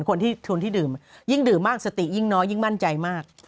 คนที่ชวนที่ดื่มยิ่งดื่มมากสติยิ่งน้อยยิ่งมั่นใจมาก